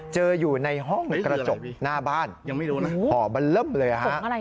อยู่ในห้องกระจกหน้าบ้านห่อบันเลิฟเลยฮะ